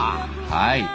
はい。